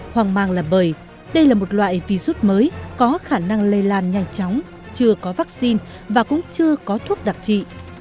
hoang mang là bởi đây là một loại virus mới có khả năng lây lan nhanh chóng chưa có vaccine và cũng chưa có thuốc đặc trị